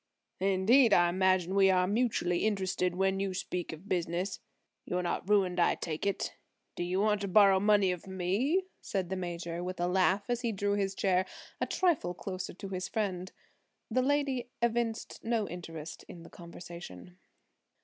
"Indeed! I imagine we are mutually interested when you speak of 'business.' You're not ruined I take it. Do you want to borrow money of me?" said the Major with a laugh as he drew his chair a trifle closer to his friend. The lady evinced no interest in the conversation.